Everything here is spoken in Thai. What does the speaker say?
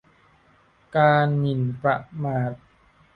การหมิ่นประมาท